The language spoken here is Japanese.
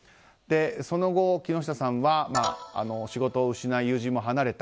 その後、木下さんは仕事を失い、友人も離れた。